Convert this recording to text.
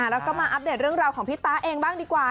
แล้วก็มาอัปเดตเรื่องราวของพี่ตาเองบ้างดีกว่า